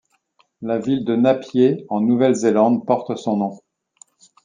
La ville de Napier en Nouvelle-Zélande porte son nom.